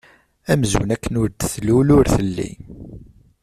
Amzun akken ur d-tlul ur telli.